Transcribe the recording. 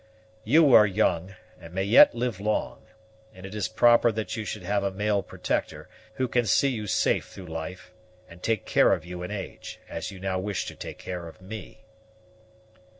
You are young, and may yet live long; and it is proper that you should have a male protector, who can see you safe through life, and take care of you in age, as you now wish to take care of me."